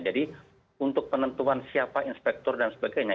jadi untuk penentuan siapa inspektor dan sebagainya